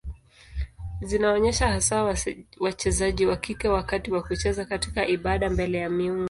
Zinaonyesha hasa wachezaji wa kike wakati wa kucheza katika ibada mbele ya miungu.